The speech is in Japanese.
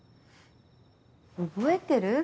覚えてる？